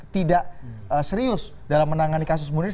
tidak serius dalam menangani kasus munir